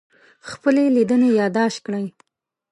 خپلې لیدنې یادداشت کړئ.